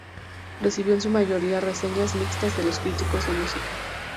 Recibió en su mayoría reseñas mixtas de los críticos de música.